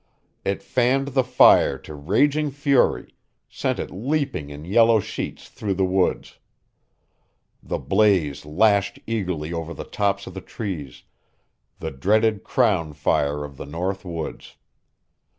It fanned the fire to raging fury, sent it leaping in yellow sheets through the woods. The blaze lashed eagerly over the tops of the trees, the dreaded crown fire of the North Woods.